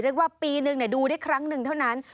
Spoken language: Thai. เรียกว่าปีหนึ่งเนี่ยดูได้ครั้งหนึ่งเท่านั้น